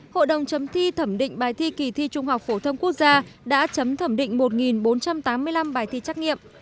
hội đồng chấm thi thẩm định bài thi kỳ thi trung học phổ thông quốc gia đã chấm thẩm định một bốn trăm tám mươi năm bài thi trắc nghiệm